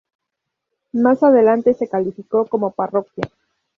Más adelante se calificó como parroquia.